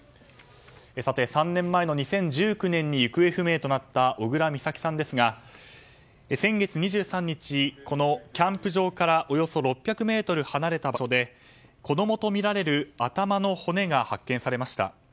３年前の２０１９年に行方不明となった小倉美咲さんですが、先月２３日このキャンプ場からおよそ６００ｍ離れた場所で子供とみられる頭の骨が発見されました。